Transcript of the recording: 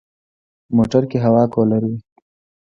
موټر کې هوا کولر وي.